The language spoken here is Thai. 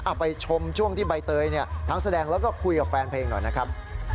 ไปชมช่วงที่ใบเตยเนี่ยทั้งแสดงแล้วก็คุยกับแฟนเพลงหน่อยนะครับ